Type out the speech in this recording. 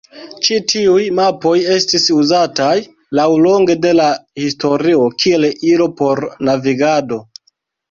Ĉi tiuj mapoj estis uzataj laŭlonge de la historio kiel ilo por navigado.